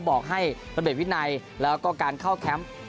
บอกให้ระเบียบวินัยแล้วก็การเข้าแคมป์